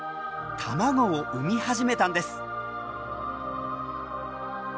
卵を産み始めたんです。